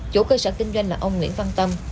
chủ cơ sở kinh doanh là ông nguyễn văn tâm